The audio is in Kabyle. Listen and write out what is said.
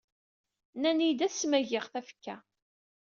Nnan-iyi-d ad smagiɣ tafekka.